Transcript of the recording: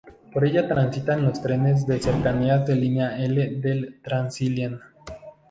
Por ella transitan los trenes de cercanías de la línea L del Transilien.